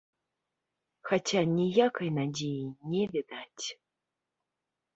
Хаця ніякай надзеі не відаць.